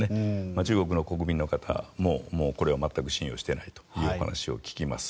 中国国民の方も全く信用していないという話を聞きます。